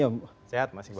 sehat mas ibu